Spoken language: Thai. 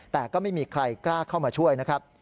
แต่ก็ไม่มีใครกล้าเข้ามาช่วยนะครับ